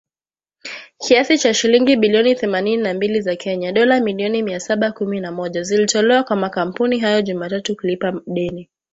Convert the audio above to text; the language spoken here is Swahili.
Kiasi cha shilingi bilioni themanini na mbili za Kenya, dola milioni mia saba kumi na moja, zilitolewa kwa makampuni hayo Jumatatu kulipa deni